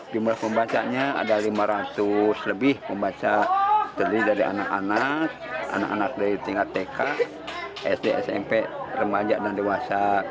jumlah pembacanya ada lima ratus lebih pembaca terdiri dari anak anak dari tingkat tk sd smp remaja dan dewasa